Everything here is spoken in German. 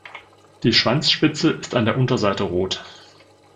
Die Schwanzspitze ist an der Unterseite rot.